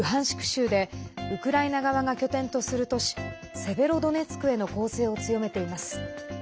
州でウクライナ側が拠点とする都市セベロドネツクへの攻勢を強めています。